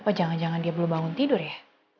apa jangan jangan dia belum bangun tidur ya